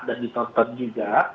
dan ditonton juga